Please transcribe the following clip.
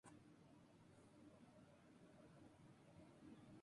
Con esta agrupación recorre los circuitos underground de Buenos Aires.